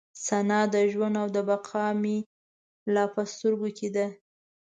ثنا د ژوند او د بقا مې لا په سترګو کې ده.